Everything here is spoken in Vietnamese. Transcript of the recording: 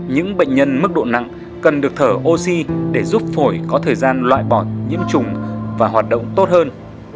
những bệnh nhân mức độ nặng cần được thở oxy để giúp phổi có thời gian loại bọt nhiễm trùng và hoạt động tốt hơn